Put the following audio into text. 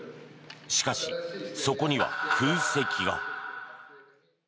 しかし、そこには空席が。